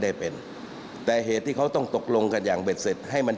ได้เป็นแต่เหตุที่เขาต้องตกลงกันอย่างเบ็ดเสร็จให้มัน